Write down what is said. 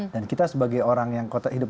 dan kita sebagai orang yang hidup